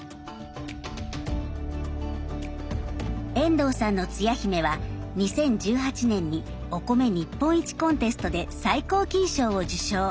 遠藤さんのつや姫は２０１８年にお米日本一コンテストで最高金賞を受賞。